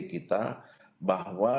dan juga para atlet